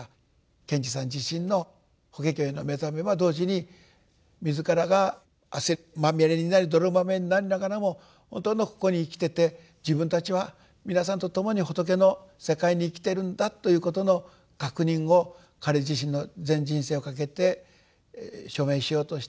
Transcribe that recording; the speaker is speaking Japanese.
賢治さん自身の法華経への目覚めは同時に自らが汗まみれになり泥まみれになりながらも本当のここに生きてて自分たちは皆さんと共に仏の世界に生きているんだということの確認を彼自身の全人生を懸けて証明しようとした。